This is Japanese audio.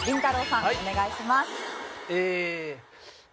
さんお願いします。